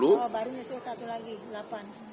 baru nyusul satu lagi delapan orang